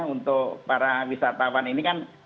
untuk para wisatawan ini kan